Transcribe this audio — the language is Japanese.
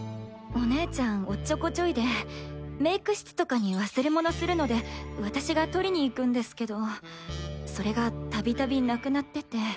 お姉ちゃんおっちょこちょいでメイク室とかに忘れ物するので私が取りに行くんですけどそれが度々なくなってて。